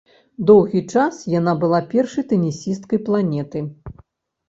Доўгі час яна была першай тэнісісткай планеты.